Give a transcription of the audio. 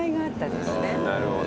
なるほど。